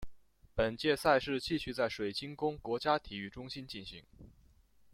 本届赛事继续在水晶宫国家体育中心举行。